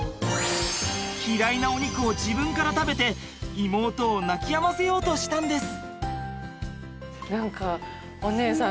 嫌いなお肉を自分から食べて妹を泣きやませようとしたんです。